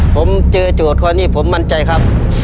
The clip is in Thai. ผมเจอโจทย์ข้อนี้ผมมั่นใจครับ